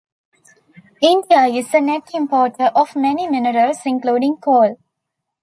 India is a net importer of many minerals including coal.